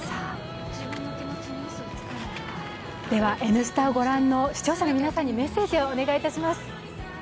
では、「Ｎスタ」をご覧の視聴者の皆さんにメッセージをお願いします。